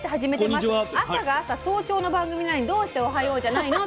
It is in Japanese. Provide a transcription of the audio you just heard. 朝が朝早朝の番組なのにどうして『おはよう』じゃないの？」